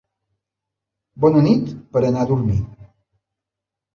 Bona nit per anar a dormir